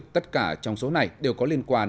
tất cả trong số này đều có liên quan